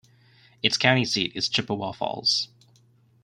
Its county seat is Chippewa Falls.